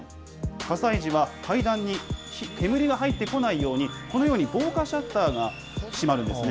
火災時は階段に煙が入ってこないようにこのように防火シャッターが閉まるんですね。